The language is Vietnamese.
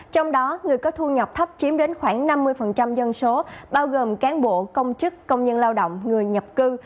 trong đó người có thu nhập thấp chiếm đến khoảng năm mươi dân số bao gồm cán bộ công chức công nhân lao động người nhập cư